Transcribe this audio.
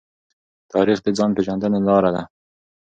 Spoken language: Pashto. تاریخ د ځان پېژندنې لاره ده.